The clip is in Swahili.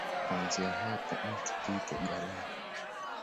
Kuanzia hapa mto huitwa Galana.